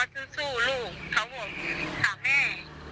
เขาก็บอกว่าสู้ลูกเขาบอกค่ะแม่